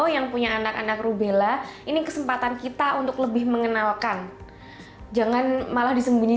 yang punya anak anak rubella ini kesempatan kita untuk lebih mengenalkan jangan malah disembunyi